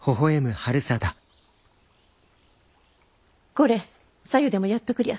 これさ湯でもやっとくりゃ。